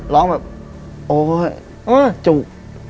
ร้องแบบโอ้ยจุก